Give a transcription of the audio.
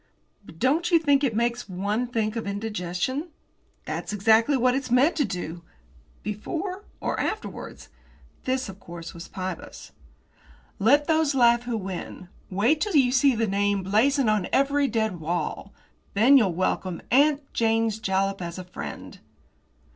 "But don't you think it makes one think of indigestion?" "That's exactly what it's meant to do." "Before, or afterwards?" This, of course, was Pybus. "Let those laugh who win. Wait till you see the name blazoned on every dead wall. Then you'll welcome 'Aunt Jane's Jalap' as a friend."